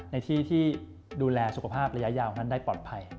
ในที่ที่ดูแลสุขภาพระยะยาวนั้นได้ปลอดภัย